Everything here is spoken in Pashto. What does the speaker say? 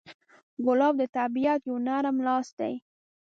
ګلاب د طبیعت یو نرم لاس دی.